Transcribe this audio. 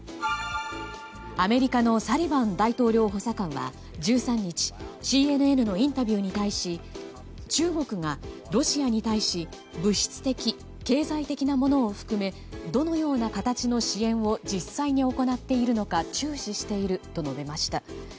アメリカのサリバン大統領補佐官は１３日ＣＮＮのインタビューに対し中国がロシアに対し物質的、経済的なものを含めどのような形の支援を実際に行っているのか注視していると述べました。